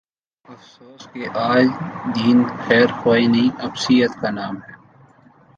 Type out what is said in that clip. افسوس کہ آج دین خیر خواہی نہیں، عصبیت کا نام ہے۔